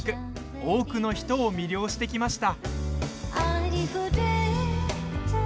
多くの人を魅了してきました。